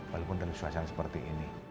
walaupun dalam suasana seperti ini